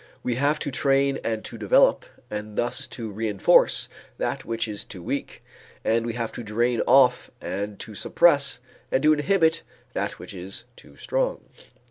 We have to train and to develop, and thus to reënforce, that which is too weak, and we have to drain off and to suppress and to inhibit that which is too strong.